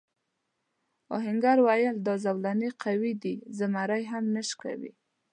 آهنګر وویل دا زولنې قوي دي زمری هم نه شکوي.